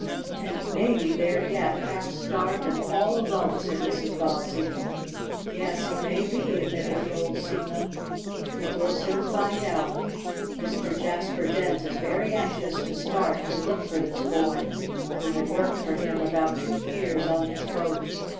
"And he may be there yet, half starved and all alone," said Mrs. Bobbsey. "Yes, he may be," admitted the old seaman. "But we'll soon find out. Mr. Jasper Dent is very anxious to start and look for this boy, who had worked for him about two years on his boat.